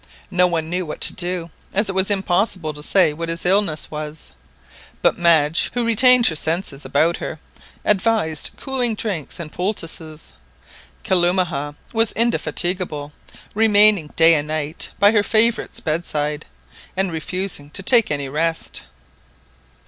No one knew what to do, as it was impossible to say what his illness was, but Madge, who retained her senses about her, advised cooling drinks and poultices. Kalumah was indefatigable, remaining day and night by her favourite's bedside, and refusing to take any rest.